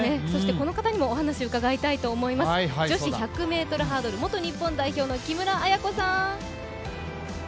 この方にもお話を伺いたいと思います、女子１００ｍハードル元日本代表の木村文子さん。